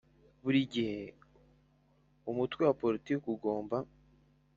Buri gihe umutwe wa politiki ugomba